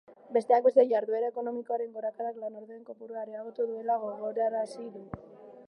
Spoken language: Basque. Besteak beste, jarduera ekonomikoaren gorakadak lanorduen kopurua areagotu duela gogorarazi du.